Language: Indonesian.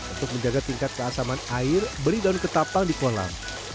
untuk menjaga tingkat keasaman air beri daun ketapang di kolam